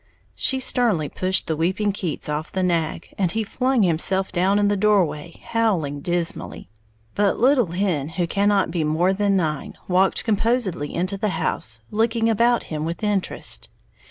She sternly pushed the weeping Keats off the nag, and he flung himself down in the doorway, howling dismally. But little Hen, who cannot be more than nine, walked composedly into the house, looking about him with interest.